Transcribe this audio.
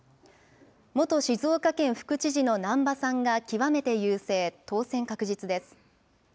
元静岡県副知事の難波さんが極めて優勢、当選確実です。